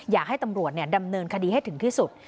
อยากให้ตำรวจดำเนินคดีให้ถึงที่สุด